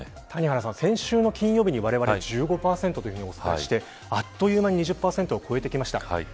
谷原さん、先週の金曜日にわれわれ１５％増とお伝えしてあっという間に２０％を超えてきました。